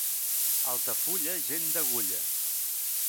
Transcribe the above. Altafulla, gent d'agulla.